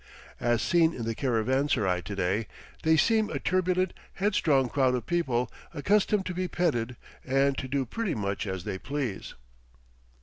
As seen in the caravanserai to day, they seem a turbulent, headstrong crowd of people, accustomed to be petted, and to do pretty much as they please.